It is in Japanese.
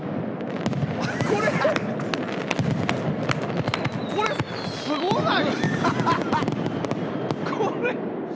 これこれ、すごない？